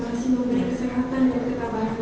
masih memberi kesehatan dan ketambahan